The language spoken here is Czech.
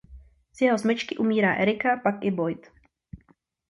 Z jeho smečky umírá Erica a pak i Boyd.